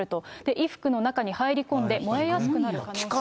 衣服の中に入り込んで、燃えやすくなる可能性があるそうです。